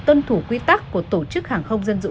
tuân thủ quy tắc của tổ chức hàng không dân dụ